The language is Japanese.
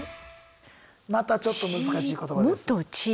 またちょっと難しい言葉です。